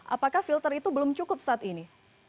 apakah filter itu belum cukup saat ini